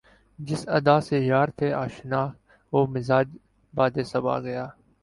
جس ادا سے یار تھے آشنا وہ مزاج باد صبا گیا